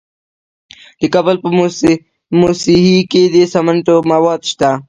د کابل په موسهي کې د سمنټو مواد شته.